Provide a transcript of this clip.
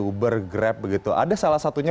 uber grab begitu ada salah satunya